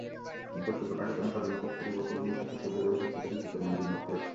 বস্তুত, পাকিস্তানের স্বাধীনতার শুরুর বছরগুলো থেকেই সৌদি আরব দেশটিতে বিপুল বিনিয়োগ করেছে।